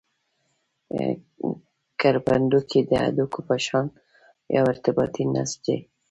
کرپندوکي د هډوکو په شان یو ارتباطي نسج دي.